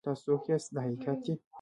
چې تاسو څوک یاست دا حقیقت دی.